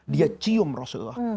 dia cium rasulullah